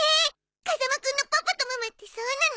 風間くんのパパとママってそうなの？